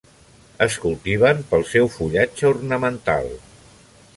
Es cultiven pel seu fullatge ornamental.